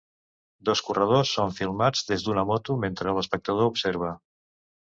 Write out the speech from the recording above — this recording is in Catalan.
Dos corredors són filmats des d'una moto mentre l'espectador observa.